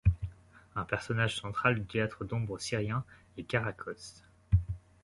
Un personnage central du théâtre d'ombres syrien est Karakoz.